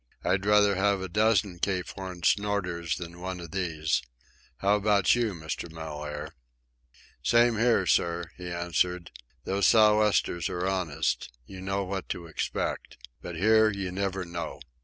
I'd sooner have a dozen Cape Horn snorters than one of these. How about you, Mr. Mellaire?" "Same here, sir," he answered. "Those sou' westers are honest. You know what to expect. But here you never know.